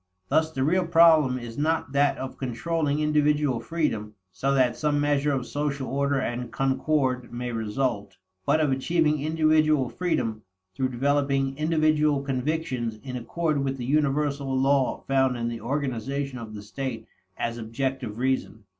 Thus the real problem is not that of controlling individual freedom so that some measure of social order and concord may result, but of achieving individual freedom through developing individual convictions in accord with the universal law found in the organization of the state as objective Reason.